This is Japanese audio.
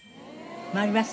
回ります？